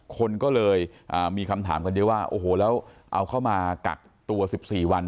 คนก็เลยมีคำถามกันเยอะว่าโอ้โหแล้วเอาเข้ามากักตัว๑๔วัน